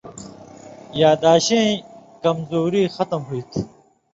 یاداشیں کمزوری ختم ہوتھی۔